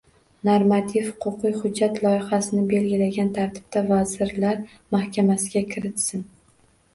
Normativ-huquqiy hujjat loyihasini belgilangan tartibda Vazirlar Mahkamasiga kiritsin.